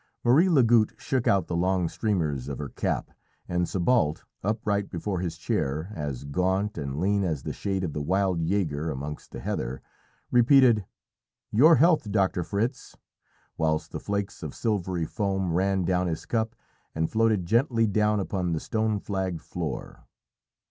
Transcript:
Marie Lagoutte shook out the long streamers of her cap, and Sébalt, upright before his chair, as gaunt and lean as the shade of the wild jäger amongst the heather, repeated, "Your health, Doctor Fritz!" whilst the flakes of silvery foam ran down his cup and floated gently down upon the stone flagged floor.